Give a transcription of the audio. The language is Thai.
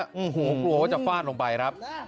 โอห์ที่กลัวว่าจะฟ่านลงไปครับเป็นบางช่วงบังตรตอนที่